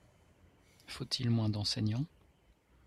Faut-il moins d’enseignants?